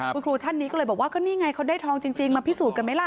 คุณครูท่านนี้ก็เลยบอกว่าก็นี่ไงเขาได้ทองจริงมาพิสูจน์กันไหมล่ะ